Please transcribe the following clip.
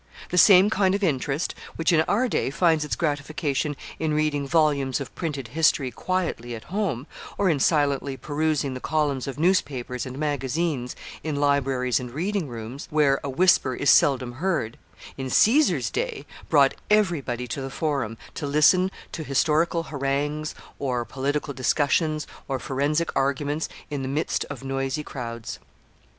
The same kind of interest which, in our day, finds its gratification in reading volumes of printed history quietly at home, or in silently perusing the columns of newspapers and magazines in libraries and reading rooms, where a whisper is seldom heard, in Caesar's day brought every body to the Forum, to listen to historical harangues, or political discussions, or forensic arguments in the midst of noisy crowds.